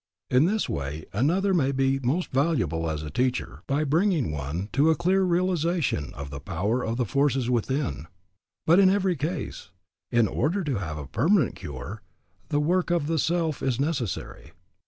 In this way another may be most valuable as a teacher by bringing one to a clear realization of the power of the forces within, but in every case, in order to have a permanent cure, the work of the self is necessary.